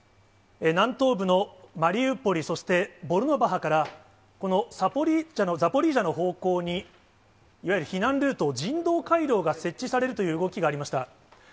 南東部のマリウポリ、そしてボルノバハから、このザポリージャの方向に、いわゆる避難ルート、人道回廊が設置されるという動きがありました。